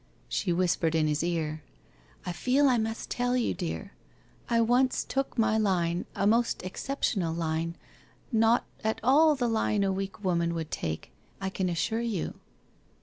She whispered in his ear : 'I feel I must tell you, dear. I once took my line, a most exceptional line; not at all the line a weak woman would take, I can assure you.'